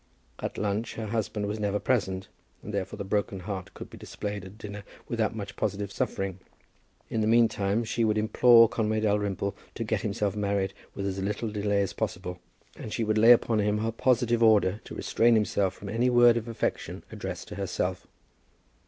At lunch her husband was never present, and therefore the broken heart could be displayed at dinner without much positive suffering. In the meantime she would implore Conway Dalrymple to get himself married with as little delay as possible, and she would lay upon him her positive order to restrain himself from any word of affection addressed to herself.